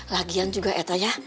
lagian juga itu ya